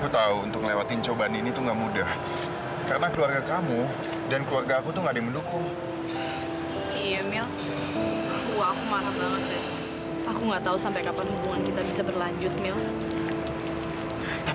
sampai jumpa di video selanjutnya